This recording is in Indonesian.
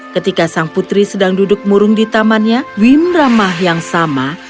ketika sang putri sedang duduk murung di tamannya wim ramah yang sama